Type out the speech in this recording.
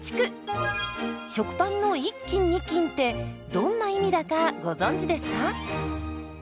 食パンの１斤２斤ってどんな意味だかご存じですか？